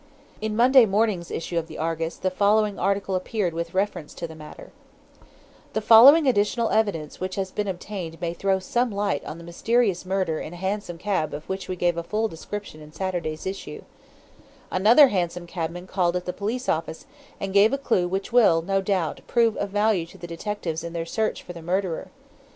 In Monday morning's issue of the ARGUS the following article appeared with reference to the matter: "The following additional evidence which has been obtained may throw some light on the mysterious murder in a hansom cab of which we gave a full description in Saturday's issue: 'Another hansom cabman called at the police office, and gave a clue which will, no doubt, prove of value to the detectives in their search for the murderer.